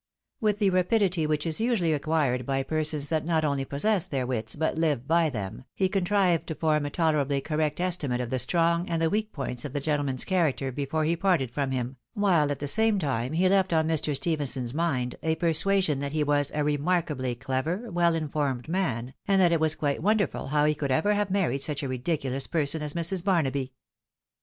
With the rapidity which is usually acquired by persons that not only possess their wits, but live by them, he contrived to form a tolerably correct estimate of the strong and the weak points of the gentleman's character before he parted from him, while at the same time he left on Mr. Stephenson's mind a persuasion that he was a re markably clever, well informed man, and that it was quite won derful how he could ever have married such a ridiculous person as Mrs. Bamaby.